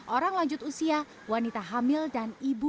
orang lanjut usia wanita hamil dan ibu